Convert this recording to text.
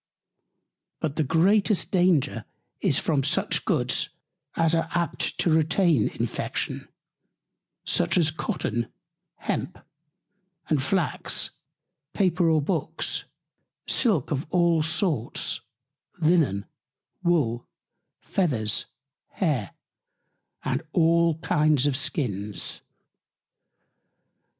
But the greatest Danger is from such Goods, as are apt to retain Infection, such as Cotton, Hemp and Flax, Paper or Books, Silk of all sorts, Linen, Wool, Feathers, Hair, and all kinds of Skins.